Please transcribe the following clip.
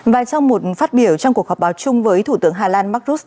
và trong một phát biểu trong cuộc họp báo chung với thủ tướng hà lan mark russ